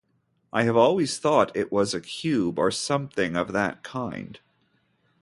I have always thought it was a cube or something of that kind.